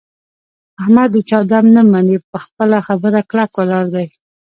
احمد د چا دم نه مني. په خپله خبره کلک ولاړ دی.